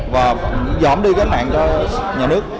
và giỏm đi cái nạn cho nhà nước